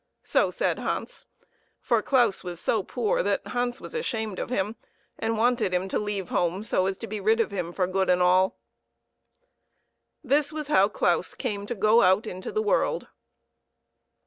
So said Hans, for Claus was so poor that Hans was ashamed of him, and wanted him to leave home so as to be rid of him for good and all. This was how Claus came to go out into the world.